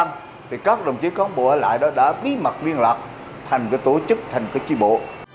thì các đồng chí có bộ ở lại đó đã bí mật liên lạc thành cái tổ chức thành cái tri bộ